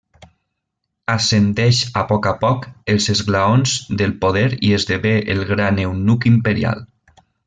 Ascendeix a poc a poc els esglaons del poder i esdevé el gran eunuc imperial.